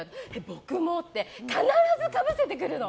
僕も！って必ずかぶせてくるの。